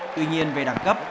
tuy nhiên về đẳng cấp